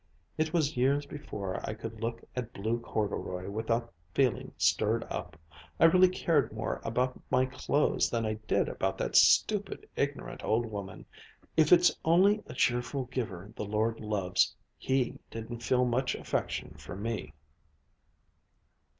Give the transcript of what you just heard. It was years before I could look at blue corduroy without feeling stirred up. I really cared more about my clothes than I did about that stupid, ignorant old woman. If it's only a cheerful giver the Lord loves, He didn't feel much affection for me."